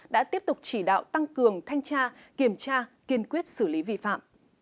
đã tiếp tục chỉ đạo tăng cường thanh tra kiểm tra kiên quyết xử lý vi phạm